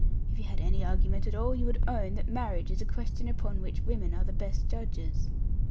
If you had any argument at all, you would own that marriage is a question upon which women are the best judges.'